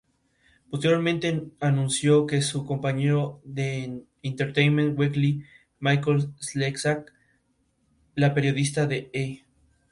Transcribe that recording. Más adelante en su carrera artística adquirió nociones de grabado.